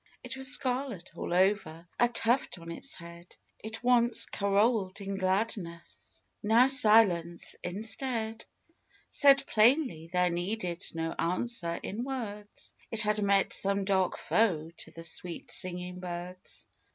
It was scarlet all over; a tuft on its head; It once carolled in gladness ; now silence, instead, Said plainly, there needed no answer in words, It had met some dark foe to the sweet singing birds.